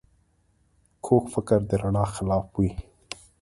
کوږ فکر د رڼا خلاف وي